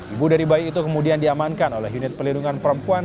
ibu dari bayi itu kemudian diamankan oleh unit pelindungan perempuan